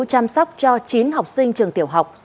chăm sóc cho chín học sinh trường tiểu học